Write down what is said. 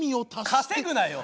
稼ぐなよ！